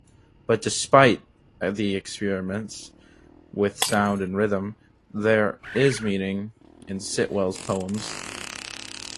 But despite the experiments with sound and rhythm, there is meaning in Sitwell's poems.